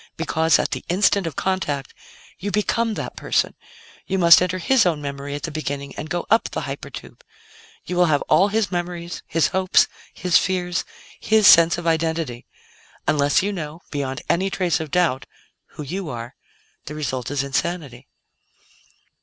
Because, at the 'instant' of contact, you become that person; you must enter his own memory at the beginning and go up the hyper tube. You will have all his memories, his hopes, his fears, his sense of identity. Unless you know beyond any trace of doubt who you are, the result is insanity."